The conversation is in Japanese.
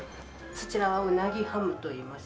そちらはうなぎハムといいます。